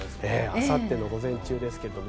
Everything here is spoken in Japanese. あさっての午前中です。